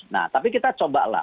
nah tapi kita coba lah